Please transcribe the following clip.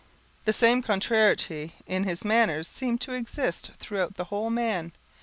The same contrariety in his members seemed to exist throughout the whole man.